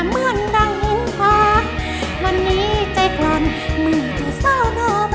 มือเสียแล้ว